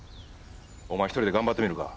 お前一人で頑張ってみるか？